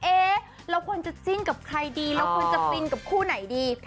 เอ๊ะเราควรจะจิ้นกับใครดีเราควรจะฟินกับคู่ไหนดี